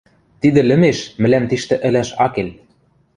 — Тидӹ лӹмеш мӹлӓм тиштӹ ӹлӓш ак кел.